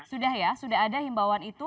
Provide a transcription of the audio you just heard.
sudah ya sudah ada himbauan itu